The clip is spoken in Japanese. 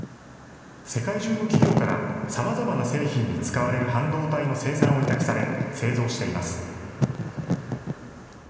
世界中の企業からさまざまな製品に使われる半導体の生産を委託され、製造しています。